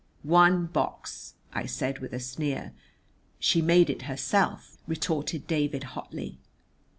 "One box!" I said with a sneer. "She made it herself," retorted David hotly.